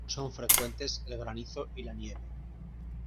Son frecuentes el granizo y la nieve.